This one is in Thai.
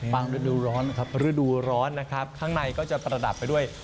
ฟังฤดูร้อนครับฤดูร้อนนะครับ